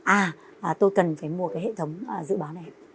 à tôi cần phải mua cái hệ thống dự báo này